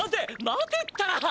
待てったら！